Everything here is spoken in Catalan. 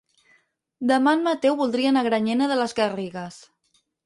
Demà en Mateu voldria anar a Granyena de les Garrigues.